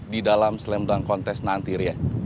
di dalam slam dunk contest nanti ria